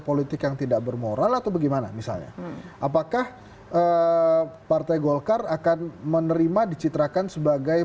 politik yang tidak bermoral atau bagaimana misalnya apakah partai golkar akan menerima dicitrakan sebagai